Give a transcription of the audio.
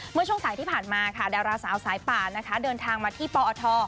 เมื่อช่วงสายที่ผ่านมาค่ะดาราสาวสายป่านะคะเดินทางมาที่ปอท